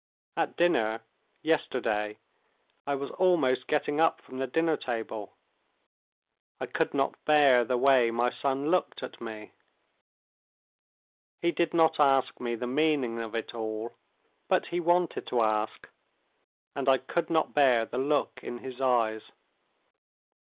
At dinner ... yesterday, I was almost getting up from the dinner table. I could not bear the way my son looked at me. He did not ask me the meaning of it all, but he wanted to ask, and I could not bear the look in his eyes.